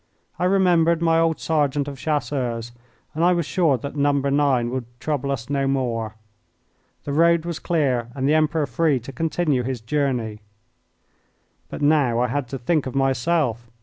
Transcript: I remembered my old sergeant of Chasseurs, and I was sure that number nine would trouble us no more. The road was clear and the Emperor free to continue his journey. But now I had to think of myself.